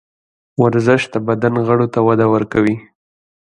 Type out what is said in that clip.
ورزش د بدن غړو ته وده ورکوي.